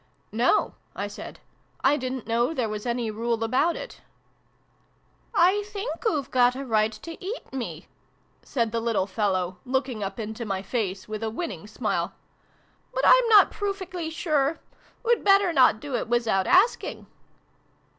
" No," I said. " I didn't know there was any Rule about it." " I think oo've got a right to eat me," said the little fellow, looking up into my face with a winning smile. " But I'm not pruffickly sure. Oo'd better hot do it wizout asking."